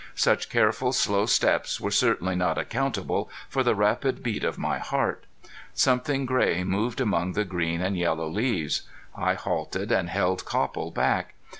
Such careful, slow steps were certainly not accountable for the rapid beat of my heart. Something gray moved among the green and yellow leaves. I halted, and held Copple back.